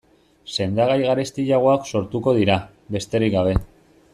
Sendagai garestiagoak sortuko dira, besterik gabe.